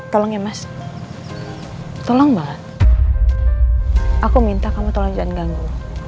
tolong ya mas tolong mbak aku minta kamu tolong jangan ganggu